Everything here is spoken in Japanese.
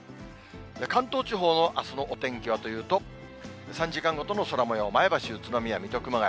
関東地方のあすのお天気はというと、３時間ごとの空もよう、前橋、宇都宮、水戸、熊谷。